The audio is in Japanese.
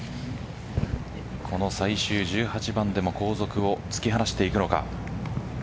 この最終１８番でも後続を突き放していくのか。